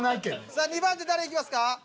さあ２番手誰いきますか？